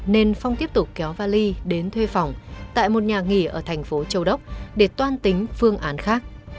nên phong tiếp tục kéo vali đến thuê phòng tại một nhà nghỉ ở thành phố châu đốc để toan tính phương án khác